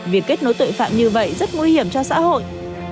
việc kết nối tội phạm như vậy rất nguy hiểm cho xã hội